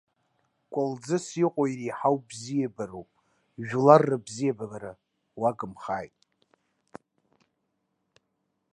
Кәалӡыс иҟоу иреиҳау бзиабароуп, жәлар рыбзиабара угымхааит.